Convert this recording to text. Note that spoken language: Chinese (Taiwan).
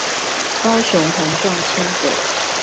高雄環狀輕軌